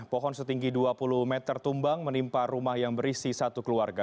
pohon setinggi dua puluh meter tumbang menimpa rumah yang berisi satu keluarga